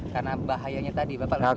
karena bahayanya tadi bapak langsung